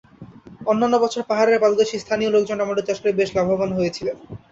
অন্যান্য বছর পাহাড়ের পাদদেশে স্থানীয় লোকজন টমেটো চাষ করে বেশ লাভবান হয়েছিলেন।